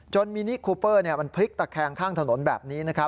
มินิคูเปอร์มันพลิกตะแคงข้างถนนแบบนี้